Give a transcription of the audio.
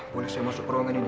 boleh saya masuk ke ruangan ini